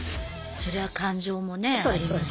そりゃあ感情もねありますし。